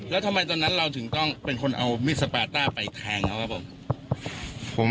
แล้วทำไมตอนนั้นเราถึงต้องเป็นคนเอามีดสปาต้าไปแทงเขาครับผม